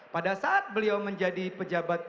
pada saat beliau menjadi pejabat